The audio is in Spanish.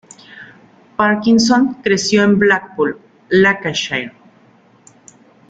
Parkinson creció en Blackpool, Lancashire.